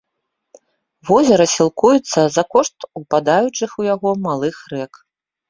Возера сілкуецца за кошт упадаючых у яго малых рэк.